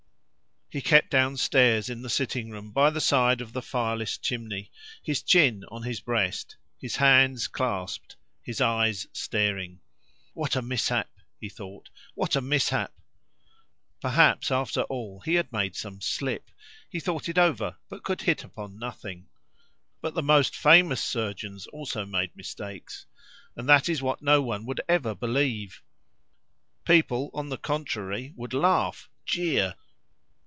He kept downstairs in the sitting room by the side of the fireless chimney, his chin on his breast, his hands clasped, his eyes staring. "What a mishap!" he thought, "what a mishap!" Perhaps, after all, he had made some slip. He thought it over, but could hit upon nothing. But the most famous surgeons also made mistakes; and that is what no one would ever believe! People, on the contrary, would laugh, jeer!